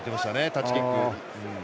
タッチキック。